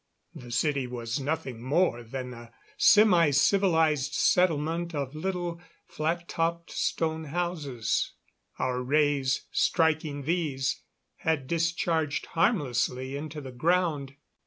The city was nothing more than a semicivilized settlement of little, flat topped stone houses. Our rays, striking these, had discharged harmlessly into the ground.